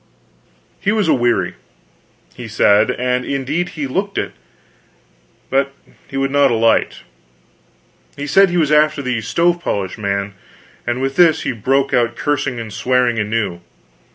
He was aweary, he said, and indeed he looked it; but he would not alight. He said he was after the stove polish man; and with this he broke out cursing and swearing anew.